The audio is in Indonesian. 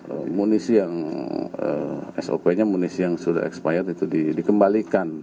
amunisi yang sop nya amunisi yang sudah expired itu dikembalikan